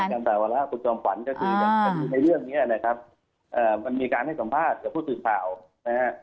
ต่างกรรมต่างวาระคุณจอมฝันก็คือในเรื่องนี้นะครับมันมีการให้สัมภาษณ์กับผู้สื่อข่าวนะครับ